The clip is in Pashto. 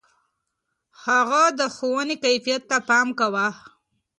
هغه د ښوونې کيفيت ته پام کاوه.